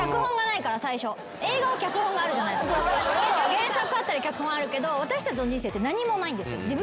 原作あったり脚本あるけど私たちの人生って何もないんですよ。